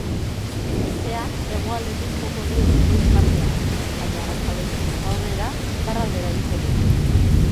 Haizea hegoaldetik joko du goiz partean, baina arratsaldetik aurrera iparraldera egingo du.